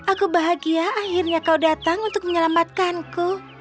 aku bahagia akhirnya kau datang untuk menyelamatkanku